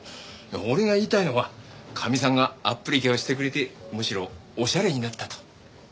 俺が言いたいのはかみさんがアップリケをしてくれてむしろおしゃれになったと。